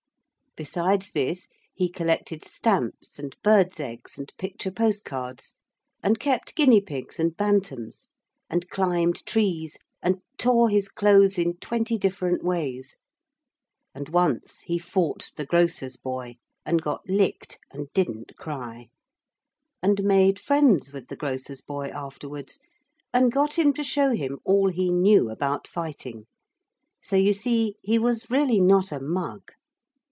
Besides this he collected stamps and birds' eggs and picture post cards, and kept guinea pigs and bantams, and climbed trees and tore his clothes in twenty different ways. And once he fought the grocer's boy and got licked and didn't cry, and made friends with the grocer's boy afterwards, and got him to show him all he knew about fighting, so you see he was really not a mug.